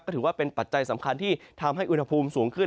ถือว่าเป็นปัจจัยสำคัญที่ทำให้อุณหภูมิสูงขึ้น